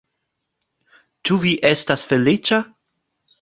Ĉu vi estas feliĉa?